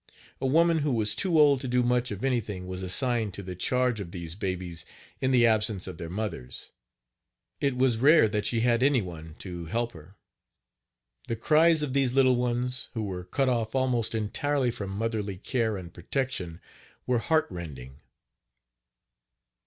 A woman who was too old to do much of anything was assigned to the charge of these babies in the absence of their mothers. It was rare that she had any on to help her. The cries of these little ones, who were Page 44 cut off almost entirely from motherly care and protection, were heart rending.